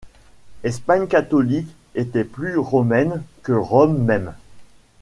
Espagne catholique était plus romaine que Rome même.